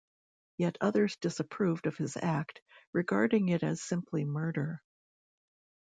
Yet others disapproved of his act, regarding it as simply murder.